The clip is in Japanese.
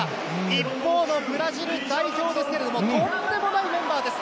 一方のブラジル代表ですけれども、とんでもないメンバーです。